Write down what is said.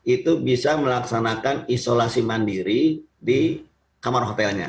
itu bisa melaksanakan isolasi mandiri di kamar hotelnya